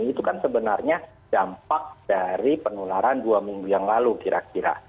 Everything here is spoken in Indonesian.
itu kan sebenarnya dampak dari penularan dua minggu yang lalu kira kira